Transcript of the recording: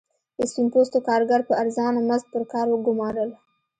سپین پوستو کارګر په ارزانه مزد پر کار ګومارل.